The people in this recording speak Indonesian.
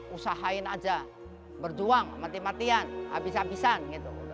usahain aja berjuang mati matian abis abisan gitu